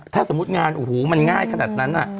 ถ้าสมมุติงานโอ้โหมันง่ายขนาดนั้น